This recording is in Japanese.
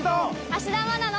『芦田愛菜の』。